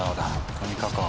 とにかく油。